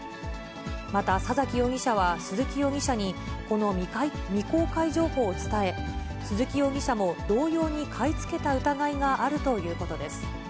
また佐崎容疑者は鈴木容疑者に、この未公開情報を伝え、鈴木容疑者も同様に買い付けた疑いがあるということです。